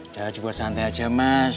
ya juga santai aja mas